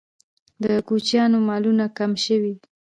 د کوچیانو مالونه کم شوي؟